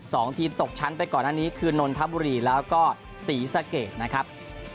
สองทีมตกชั้นไปก่อนอันนี้คือนนทบุรีแล้วก็ศรีสะเกดนะครับ